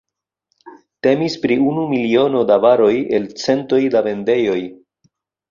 Temis pri unu miliono da varoj el centoj da vendejoj.